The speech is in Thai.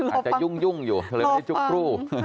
อาจจะยุ่งอยู่์หรือสร้างว่าไม่ได้จุ๊กรู้